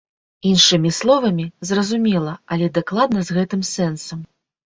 Іншымі словамі, зразумела, але дакладна з гэтым сэнсам.